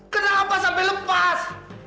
kenapa sampai lepas